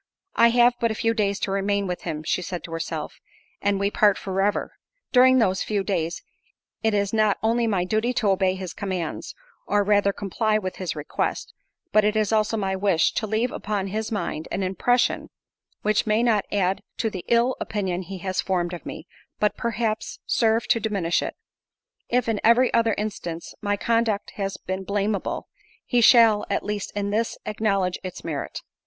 "I have but a few days to remain with him," she said to herself, "and we part for ever—during those few days it is not only my duty to obey his commands, or rather comply with his request, but it is also my wish to leave upon his mind an impression, which may not add to the ill opinion he has formed of me, but, perhaps, serve to diminish it. If, in every other instance, my conduct has been blameable, he shall, at least in this, acknowledge its merit.